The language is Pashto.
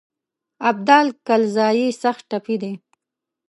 ابدال کلزايي سخت ټپي دی.